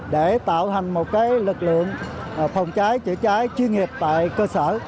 để tạo hành một lực lượng thông trái chữa cháy chuyên nghiệp tại cơ sở